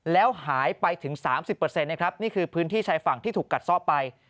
แล้วหายไปถึง๓๐นะครับนี่คือพื้นที่ชายฝั่งที่ถูกกัดซ่อไป